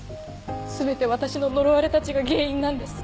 全て私の呪われた血が原因なんです。